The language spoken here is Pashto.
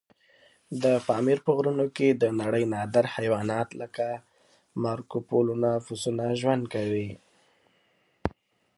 د پامیر په غرونو کې د نړۍ نادر حیوانات لکه مارکوپولو پسونه ژوند کوي.